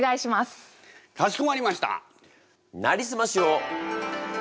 かしこまりました！